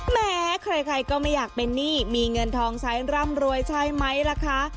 แม้ใครก็ไม่อยากเป็นหนี้มีเงินทองใช้ร่ำรวยใช่ไหมล่ะคะ